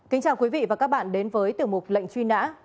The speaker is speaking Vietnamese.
kính chào quý vị và các bạn đến với tiểu mục lệnh truy nã